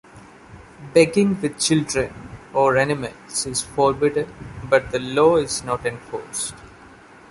Begging with children or animals is forbidden but the law is not enforced.